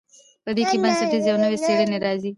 په دې کې بنسټیزې او نوې څیړنې راځي.